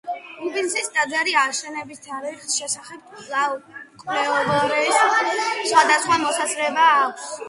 უბისის ტაძრის აშენების თარიღის შესახებ მკვლევარებს სხვადასხვა მოსაზრება აქვთ.